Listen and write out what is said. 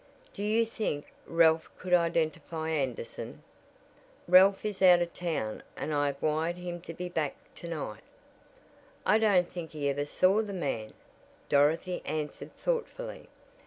Do you think Ralph could identify Anderson? Ralph is out of town and I have wired him to be back to night." "I don't think he ever saw the man," Dorothy answered thoughtfully.